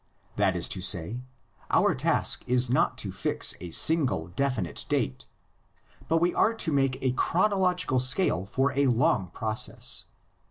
That is to say, our task is not to fix a single definite date; but we are to make a chronological scale for a long process.